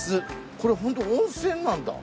これホント温泉なんだ？